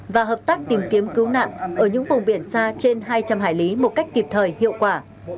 và hợp tác tìm kiếm cứu nạn ở những vùng biển xa trên hai trăm linh hải lý một cách kịp thời hiệu quả